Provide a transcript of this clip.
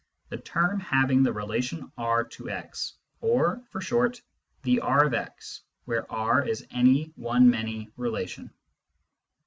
the term having the relation R to x" or, for short, " the R of x," where R is any one many relation.